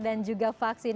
dan juga vaksin